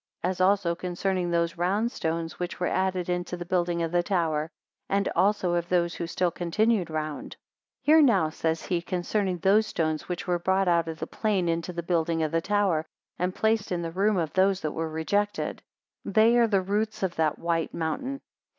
249 As also concerning those round stones which were added into the building of the tower; and also of those who still continued round. 250 Hear now, says he, concerning those stones which were brought out of the plain into the building of the tower, and placed in the room of those that were rejected: they are the roots of that white mountain.